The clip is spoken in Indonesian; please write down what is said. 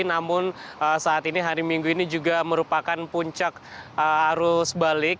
namun saat ini hari minggu ini juga merupakan puncak arus balik